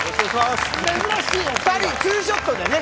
２人、ツーショットで。